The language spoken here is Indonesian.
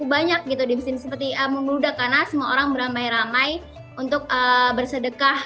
banyak gitu di sini seperti membeludak karena semua orang beramai ramai untuk bersedekah